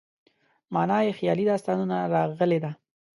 معنا یې خیالي داستانونه راغلې ده.